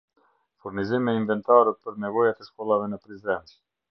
Furnizim me inventarë për nevojat e shkollave në Prizren